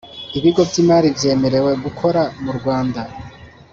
ibigo by imari byemerewe gukora mu rwanda